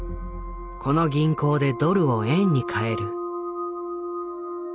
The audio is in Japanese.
この銀行でドルを円に替える。